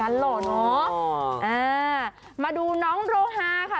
อามาดูน้องโรฮ่าค่ะ